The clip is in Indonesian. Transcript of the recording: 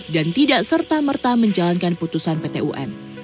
dan tidak serta merta menjalankan putusan pt un